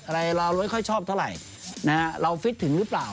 เราไม่ค่อยชอบเท่าไหร่เราฟิตถึงหรือเปล่า